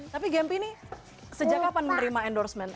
tapi gempy nih sejak kapan menerima endorsement